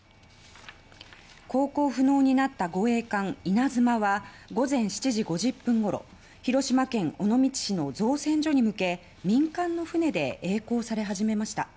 航行不能になった護衛艦「いなづま」は午前７時５０分ごろ広島県尾道市の造船所に向け民間の船でえい航され始めました。